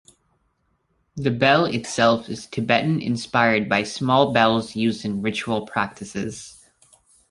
The bell itself is Tibetan inspired by small bells used in ritual practices.